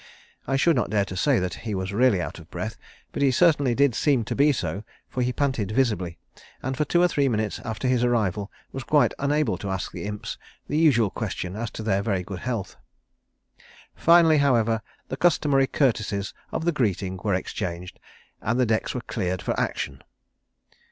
I should not dare to say that he was really out of breath, but he certainly did seem to be so, for he panted visibly, and for two or three minutes after his arrival was quite unable to ask the Imps the usual question as to their very good health. Finally, however, the customary courtesies of the greeting were exchanged, and the decks were cleared for action.